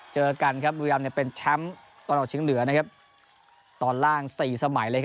เจอกันครับบุรีรำเป็นแชมป์ตอนออกเชียงเหนือตอนล่าง๔สมัย